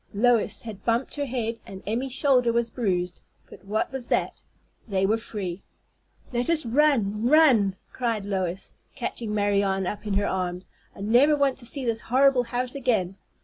Lois had bumped her head, and Emmy's shoulder was bruised; but what was that? They were free. "Let us run, run!" cried Lois, catching Marianne up in her arms. "I never want to see this horrible house again."